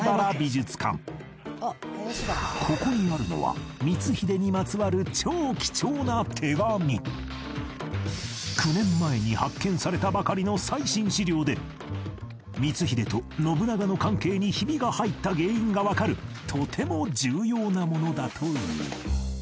ここにあるのは９年前に発見されたばかりの最新史料で光秀と信長の関係にひびが入った原因がわかるとても重要なものだという